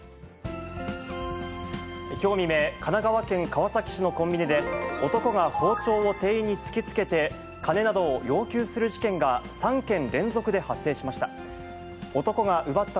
きょう未明、神奈川県川崎市のコンビニで、男が包丁を店員に突きつけて、金などを要求する事件が３件連続で発生しました。